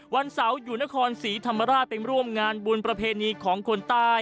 วันเสาร์อยู่นครศรีธรรมราชไปร่วมงานบุญประเพณีของคนใต้